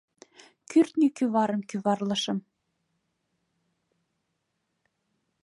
Кӱртньӧ кӱварым кӱварлышым.